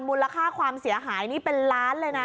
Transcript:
มูลค่าความเสียหายนี่เป็นล้านเลยนะ